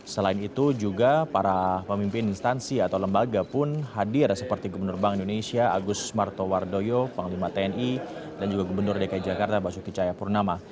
selain itu juga para pemimpin instansi atau lembaga pun hadir seperti gubernur bank indonesia agus martowardoyo panglima tni dan juga gubernur dki jakarta basuki cahayapurnama